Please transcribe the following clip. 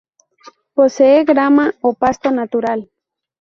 Posee grama o pasto natural.